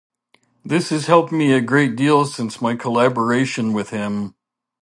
This has helped me a great deal since my collaboration with him.